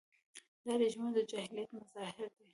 دا رژیمونه د جاهلیت مظاهر دي.